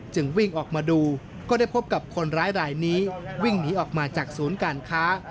จึงวิ่งออกมาดูก็ได้พบกับคนร้ายรายนี้วิ่งหนีออกมาจากศูนย์การค้า